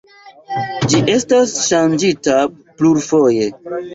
Ĝi estis ŝanĝita plurfoje.